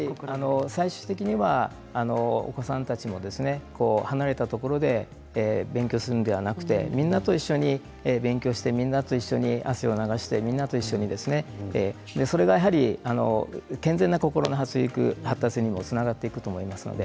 最終的にはお子さんたちにも離れたところで勉強するのではなくてみんなと一緒に勉強してみんなと一緒に汗を流してみんなと一緒に運動するそれが健全な心の発育、発達にもつながっていくと思います。